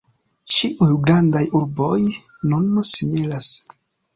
Ĉiuj grandaj urboj nun similas.